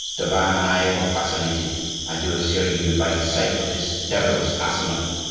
Tavannes and I were fascinated, I do assure you, by the sight of this devil's arsenal.